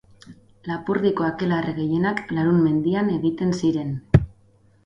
Lapurdiko akelarre gehienak Larhun mendian egiten ziren.